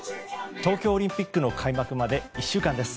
東京オリンピックの開幕まで１週間です。